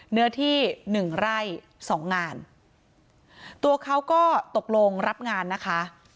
เนื้อที่๑ไร่๒งานตัวเขาก็ตกลงรับงานนะคะ